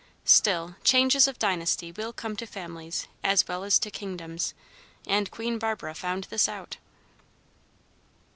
Still, changes of dynasty will come to families as well as to kingdoms; and Queen Barbara found this out.